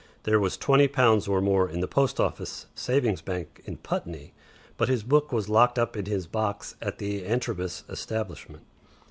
There was twenty pounds or more in the post office savings bank in Putney, but his book was locked up in his box at the Antrobus establishment.